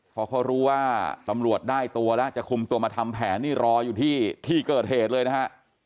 พอเขารู้ว่าตำรวจได้ตัวแล้วจะคุมตัวมาทำแผนนี่รออยู่ที่ที่เกิดเหตุเลยนะฮะ